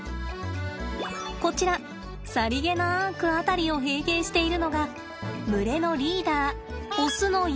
こちらさりげなく辺りを睥睨しているのが群れのリーダーオスのユウです。